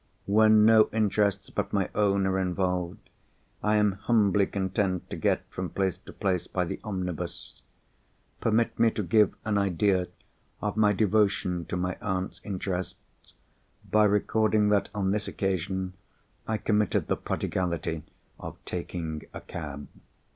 When no interests but my own are involved, I am humbly content to get from place to place by the omnibus. Permit me to give an idea of my devotion to my aunt's interests by recording that, on this occasion, I committed the prodigality of taking a cab.